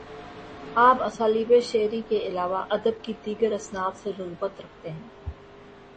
آپ اسالیبِ شعری کے علاوہ ادب کی دیگر اصناف سے رغبت رکھتے ہیں